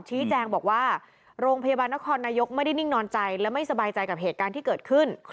ชี้แจงบอกว่าโรงพยาบาลนครนายกไม่ได้นิ่งนอนใจและไม่สบายใจกับเหตุการณ์ที่เกิดขึ้น